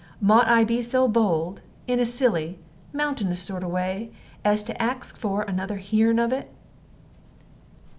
Mought I be so bold, in a silly, mountaneous sort of a way, as to ax for another heerin' of it?"